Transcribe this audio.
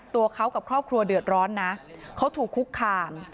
ตัวเขากับครอบครัวเดือดร้อนนะเขาถูกคุกคาม